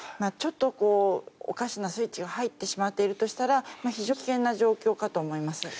ちょっとおかしなスイッチが入ってしまっているとしたら非常に危険な状況かと思います。